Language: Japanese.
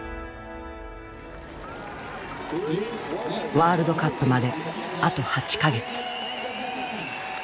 ワールドカップまであと８か月。